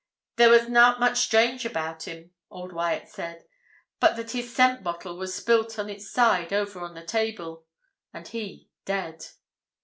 'There was nout much strange about him,' old Wyat said, 'but that his scent bottle was spilt on its side over on the table, and he dead.'